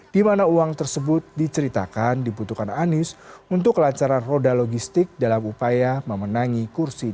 di mana uang tersebut diceritakan dibutuhkan anies untuk kelancaran roda logistik dalam upaya memenangi kursi dua